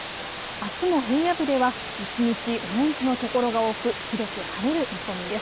あすも平野部では一日オレンジの所が多く広く晴れる見込みです。